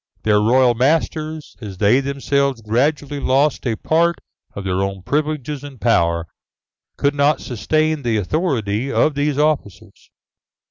Their royal masters, as they themselves gradually lost a part of their own privileges and power, could not sustain the authority of these officers.